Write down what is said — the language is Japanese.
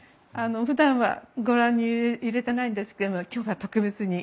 ふだんはご覧に入れてないんですけれども今日は特別に。